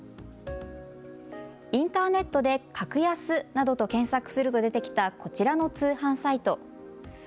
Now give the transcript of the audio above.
インターネットで格安などと検索すると出てきたこちらの通販サイト。